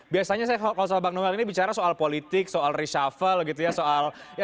biasanya saya kalau soal bang noel ini bicara soal politik soal reshuffle gitu ya soal